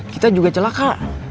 kita juga celaka